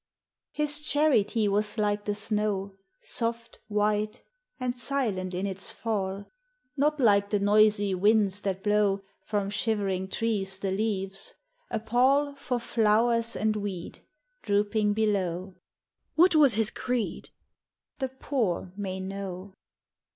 His charity was like the snow, Soft, white, and silent in its fall; Not like the noisy winds that blow From shivering trees the leaves, — a pall For flowers and weed, Drooping below. "What was his creed?" The poor may know.